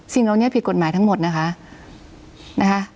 สิ่งเหล่านี้ผิดกฎหมายทั้งหมดนะคะ